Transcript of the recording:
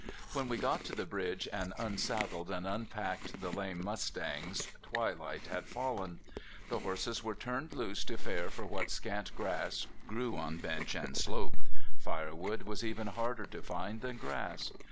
When we got to the bridge and unsaddled and unpacked the lame mustangs twilight had fallen. The horses were turned loose to fare for what scant grass grew on bench and slope. Firewood was even harder to find than grass.